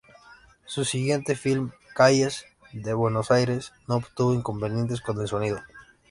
Su siguiente filme "Calles de Buenos Aires" no tuvo inconvenientes con el sonido.